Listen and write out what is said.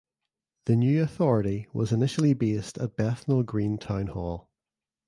The new authority was initially based at Bethnal Green Town Hall.